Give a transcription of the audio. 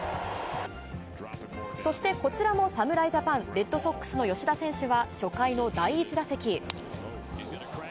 そして、こちらも侍ジャパン、レッドソックスの吉田選手は、初回の第１打席。